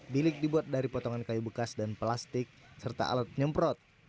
bilik dibuat dari potongan kayu bekas dan plastik serta alat penyemprot